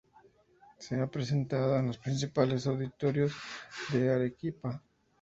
Se ha presentando en los principales auditorios de Arequipa.